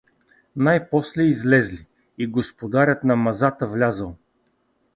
Най-после излезли и господарят на мазата влязъл.